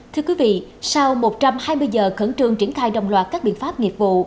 thưa quý vị sau một trăm hai mươi giờ khẩn trương triển khai đồng loạt các biện pháp nghiệp vụ